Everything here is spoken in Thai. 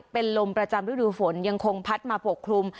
เป็นลมประจำฤดูฝนยังคงพัดมาปกคลุม